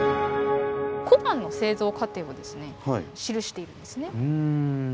小判の製造過程をですね記しているんですね。